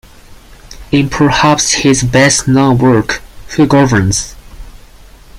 In perhaps his best known work, Who Governs?